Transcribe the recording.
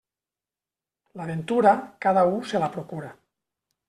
La ventura, cada u se la procura.